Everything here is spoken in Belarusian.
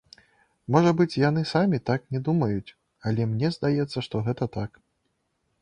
Можа быць, яны самі так не думаюць, але мне здаецца, што гэта так.